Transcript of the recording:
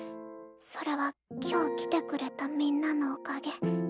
それは今日来てくれたみんなのおかげ。